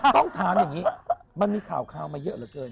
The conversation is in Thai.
ต้องถามอย่างนี้มันมีข่าวมาเยอะเหลือเกิน